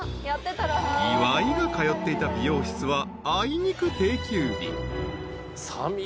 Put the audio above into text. ［岩井が通っていた美容室はあいにく定休日］